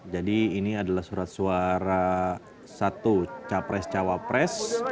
jadi ini adalah surat suara satu capres cawapres